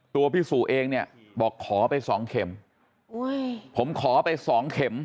พี่สุเองเนี่ยบอกขอไปสองเข็มผมขอไปสองเข็ม